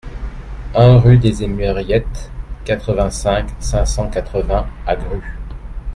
un rue des Emeriettes, quatre-vingt-cinq, cinq cent quatre-vingts à Grues